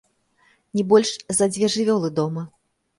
Не больш за дзве жывёлы дома!